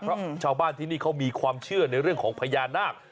เพราะชาวบ้านที่นี่เขามีความเชื่อในเรื่องของพญานาค